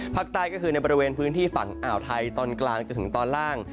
ภาคใต้ก็คือในบริเวณพื้นที่ฝั่งอ่าวไทยตอนกลางจนถึงตอนล่าง